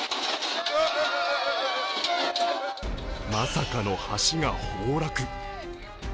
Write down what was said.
まさかの橋が崩落。